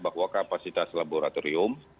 bahwa kapasitas laboratorium